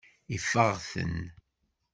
Ifeɣ-ten.